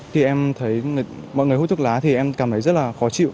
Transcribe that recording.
khi em thấy mọi người hút thuốc lá thì em cảm thấy rất là khó chịu